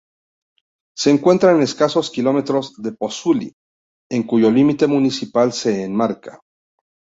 Se encuentra a escasos kilómetros de Pozzuoli en cuyo límite municipal se enmarca.